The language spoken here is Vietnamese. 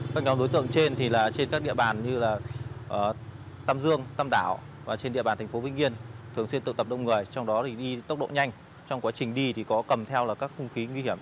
các nhóm đối tượng trên trên các địa bàn như tâm dương tâm đảo và trên địa bàn thành phố vĩnh yên thường xuyên tụ tập đông người trong đó đi tốc độ nhanh trong quá trình đi có cầm theo các khung khí nguy hiểm